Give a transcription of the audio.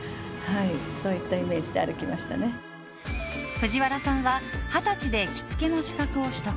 藤原さんは二十歳で着付けの資格を取得。